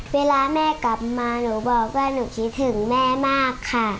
เวลาแม่กลับมาหนูบอกว่าหนูคิดถึงแม่มากค่ะ